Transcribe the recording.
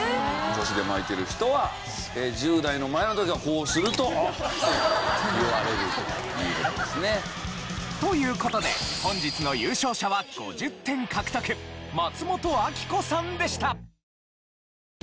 腰で巻いてる人は１０代の前の時はこうすると「あっ！」と言われるという事ですね。という事で本日の優勝者は５０点獲得松本明子さんでした。